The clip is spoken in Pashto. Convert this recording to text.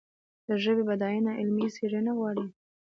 د ژبې بډاینه علمي څېړنې غواړي.